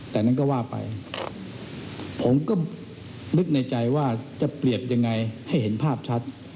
แต่นั่นก็ว่าไปผมก็นึกในใจว่าจะเปรียบยังไงให้เห็นภาพชัด